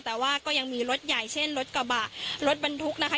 แต่ว่าก็ยังมีรถใหญ่เช่นรถกระบะรถบรรทุกนะคะ